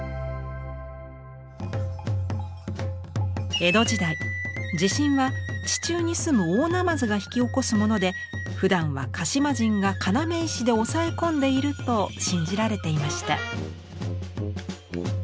江戸時代地震は地中に棲む大鯰が引き起こすものでふだんは鹿島神が要石で抑え込んでいると信じられていました。